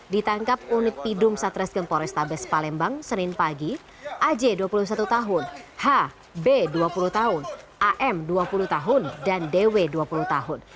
ditangkap unit pidum satreskrim polrestabes palembang senin pagi aj dua puluh satu tahun h b dua puluh tahun am dua puluh tahun dan dw dua puluh tahun